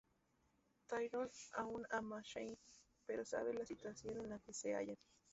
Tyrion aún ama a Shae, pero sabe la situación en la que se hallan.